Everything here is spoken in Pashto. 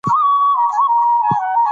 بیرغ به بیا له لاسه لوېدلی نه وو.